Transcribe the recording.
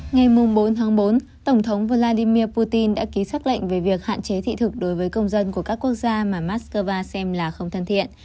ngày bốn tháng bốn tổng thống vladimir putin đã ký xác lệnh về việc hạn chế thị thực đối với công dân của các quốc gia mà moscow xem là không thân thiện